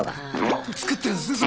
作ってるんですね